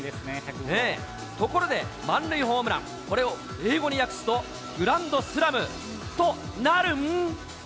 ところで、満塁ホームラン、これを英語に訳すと、グランドスラムとなるん。